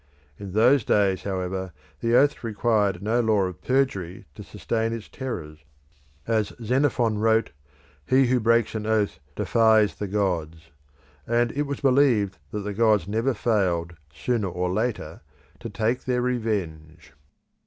In those days, however, the oath required no law of perjury to sustain its terrors: as Xenophon wrote, "He who breaks an oath defies the gods"; and it was believed that the gods never failed sooner or later to take their revenge.